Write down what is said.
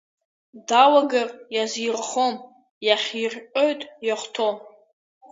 Далагар иазирхом, иахирҟьоит иахәҭо.